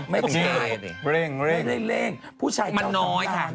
ไม่ใช่เร่งไม่ได้เร่งผู้ชายเจ้าต่างอะไรอย่างนี้